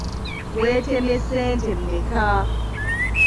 Weetemye ssente mmeka?